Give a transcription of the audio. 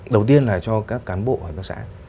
đầu tiên là cho các cán bộ hợp tác xã